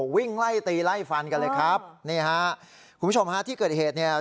วิ่งไล่ตีไล่ฟันกันเลยครับนี่ฮะคุณผู้ชมฮะที่เกิดเหตุเนี่ย